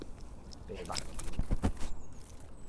白目球